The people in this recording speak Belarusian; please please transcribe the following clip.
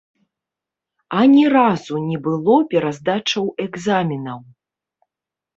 Ані разу не было пераздачаў экзаменаў.